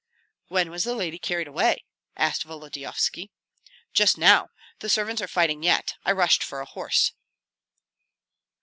"When was the lady carried away?" asked Volodyovski. "Just now the servants are fighting yet I rushed for a horse."